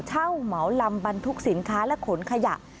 เช่าเหมาลำบันทุกข์สินค้าและขนขยะ